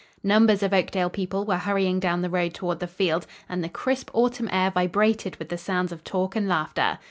Numbers of Oakdale people were hurrying down the road toward the field, and the crisp autumn air vibrated with the sounds of talk and laughter.